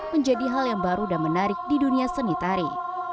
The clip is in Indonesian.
menjadi hal yang baru dan menarik di dunia seni tari